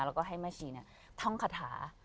แล้วก็ให้แม่ชีท่องคาถา